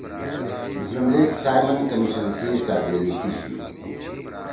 مسلم لیگ سائمن کمیشن (Simon Comission) سی سأدویلی کیِشی۔